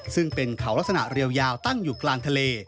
ซึ่งเป็นเขาลักษณะเรียวยาวตั้งอยู่กลางทะเล